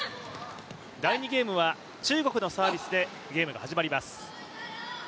第２ゲームは中国のサービスでゲームが始まります。